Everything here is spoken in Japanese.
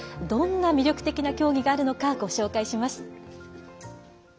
どんな魅力的な競技があるのかご紹介します。